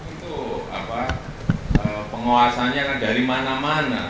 itu penguasannya dari mana mana